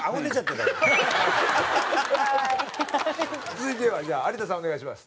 続いてはじゃあ有田さんお願いします。